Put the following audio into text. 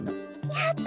やった！